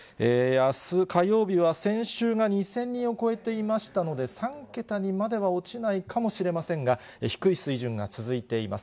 あす火曜日は先週が２０００人を超えていましたので、３桁にまでは落ちないかもしれませんが、低い水準が続いています。